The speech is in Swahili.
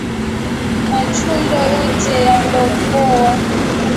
Machunda yote yandovowa